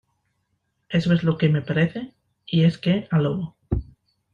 eso es lo que me parece. y es que, al lobo